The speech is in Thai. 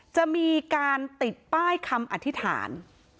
จะมีการติดป้ายคำอธิษฐาน